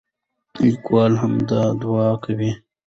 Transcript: لیکوال همدا دعا کوي.